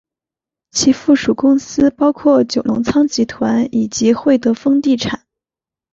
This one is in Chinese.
其附属公司包括九龙仓集团以及会德丰地产。